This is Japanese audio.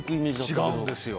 違うんですよ。